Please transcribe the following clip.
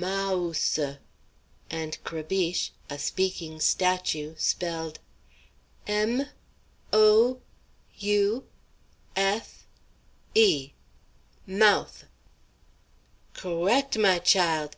Mah ooseh!" and Crébiche, a speaking statue, spelled: "M o u eth e, mouthe." "Co'ect, my chile!